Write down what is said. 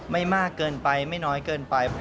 ไม่มากเกินไปไม่น้อยเกินไป